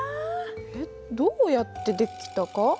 えっどうやって出来たか？